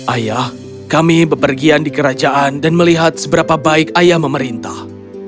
ayah kami berpergian di kerajaan dan melihat seberapa baik ayah memerintah